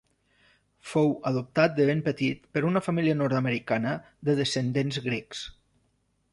Fou adoptat de ben petit per una família nord-americana de descendents grecs.